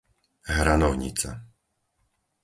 Hranovnica